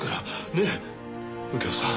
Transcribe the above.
ねえ右京さん。